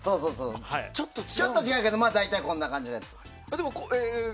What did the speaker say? ちょっと違うけど大体こんな感じのやつ。